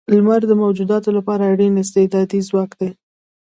لمر د موجوداتو لپاره اړین استعدادی ځواک دی.